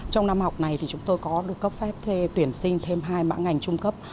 trong năm học này chúng tôi có được cấp phép tuyển sinh thêm hai mạng ngành trung cấp